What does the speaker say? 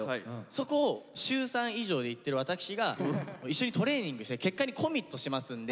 そこを週３以上で行ってる私が一緒にトレーニングして結果にコミットしますんで。